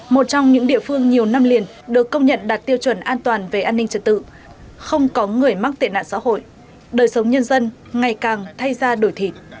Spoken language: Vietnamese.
một trong những địa phương nhiều năm liền được công nhận đạt tiêu chuẩn an toàn về an ninh trật tự không có người mắc tiện nạn xã hội đời sống nhân dân ngày càng thay ra đổi thịt